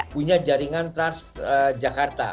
punya jaringan trans jakarta